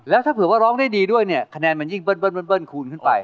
แล้วถ้าเผื่อว่าร้องได้ดีด้วยเนี่ยคะแนนมันยิ่งเบิ้ลคูณขึ้นไป